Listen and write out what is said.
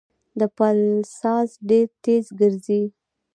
د پلسار ډېر تېز ګرځي.